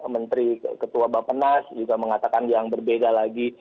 dari ketua bapak penas juga mengatakan yang berbeda lagi